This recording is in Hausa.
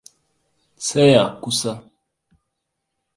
Tsaya kusa.